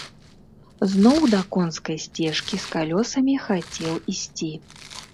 Зноў да конскай сцежкі з калёсамі хацеў ісці.